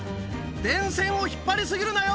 電線を引っ張り過ぎるなよ。